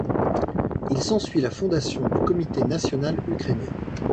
Il s'ensuit la fondation du Comité national ukrainien.